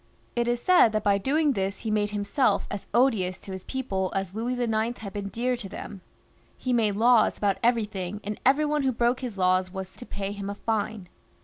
It is said that by doing this, he made himself as odious to his people as Louis IX. had been dear to them. He made laws about everything, and every one who broke his laws was to pay him a fine.